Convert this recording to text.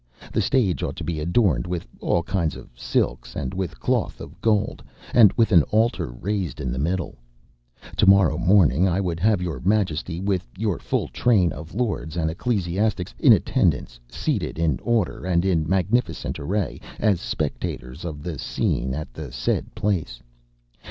The stage ought to be adorned with all kinds of silks and with cloth of gold, and with an altar raised in the middle. Tomorrow morning I would have your majesty, with your full train of lords and ecclesiastics in attendance, seated in order and in magnificent array, as spectators of the scene at the said place.